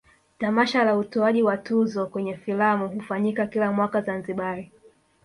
tamasha la utoaji wa tuzo kwenye filamu hufanyika kila mwaka zanzibar